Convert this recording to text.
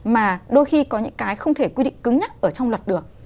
mà đôi khi có những cái không thể quy định cứng nhắc ở trong luật được